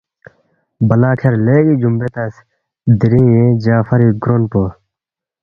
بلا کھیرس لیگی جُومبوے تنگس دیرینگ ینگ جعفری گرون پو